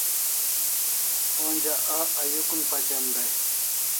Onja a ayukun pachem dai